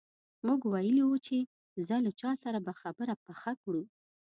موږ ویلي وو چې ځه له چا سره به خبره پخه کړو.